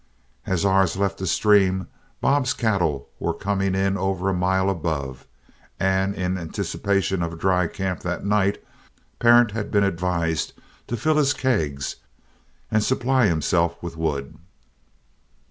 As ours left the stream, Bob's cattle were coming in over a mile above, and in anticipation of a dry camp that night, Parent had been advised to fill his kegs and supply himself with wood.